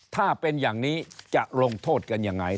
ถ้าเป็นอย่างนี้จะลงโทษกันยังไง